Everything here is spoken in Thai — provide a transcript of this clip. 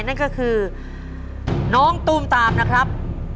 นั่นก็คือน้องตูมตามนะครับ